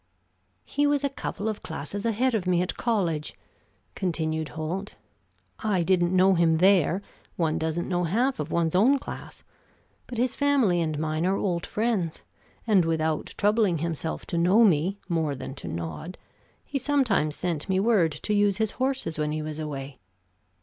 "He was a couple of classes ahead of me at college," continued Holt. "I didn't know him there one doesn't know half of one's own class but his family and mine are old friends, and without troubling himself to know me, more than to nod, he sometimes sent me word to use his horses when he was away.